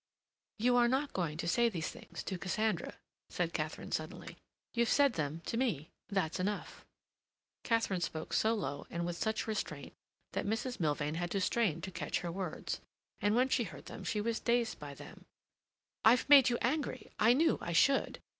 "You are not going to say these things to Cassandra," said Katharine suddenly. "You've said them to me; that's enough." Katharine spoke so low and with such restraint that Mrs. Milvain had to strain to catch her words, and when she heard them she was dazed by them. "I've made you angry! I knew I should!"